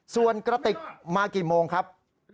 ส่วนกระติกมากี่โมงครับ